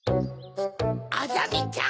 あざみちゃん！